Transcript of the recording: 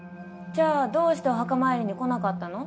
じゃあどうしてお墓参りに来なかったの？